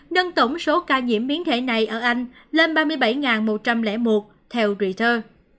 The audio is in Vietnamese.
nâng tổng số ca nhiễm biến thể này ở anh lên ba mươi bảy một trăm linh một theo rụy thơ